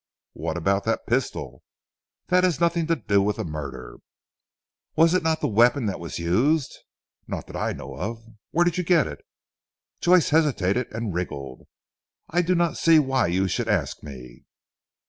"What about that pistol?" "That has nothing to do with the murder." "Was it not the weapon that was used?" "Not that I know of." "Where did you get it?" Joyce hesitated and wriggled. "I do not see why you should ask me?"